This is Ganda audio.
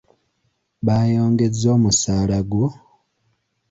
Bayongezza omusaala gwo?